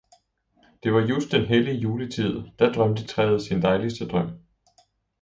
Det var just den hellige juletid, da drømte træet sin dejligste drøm.